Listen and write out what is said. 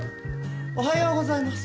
おはようございます。